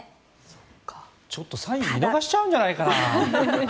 ちょっとサイン見逃しちゃうんじゃないかな。